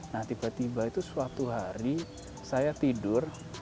nah tiba tiba itu suatu hari saya tidur